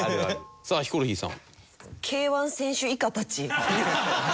さあヒコロヒーさん。